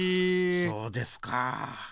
そうですか。